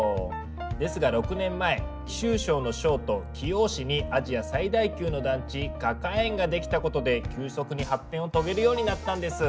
ですが６年前貴州省の省都貴陽市にアジア最大級の団地花果園が出来たことで急速に発展を遂げるようになったんです。